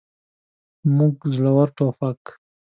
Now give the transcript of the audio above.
موږ زوړ ټوپک.